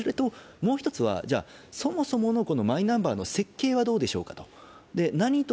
それともう一つはそもそものこのマイナンバーの設計はどうでしょうかと。